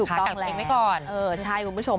ถูกต้องแล้วใช่คุณผู้ชม